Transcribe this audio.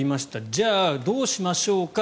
じゃあ、どうしましょうか。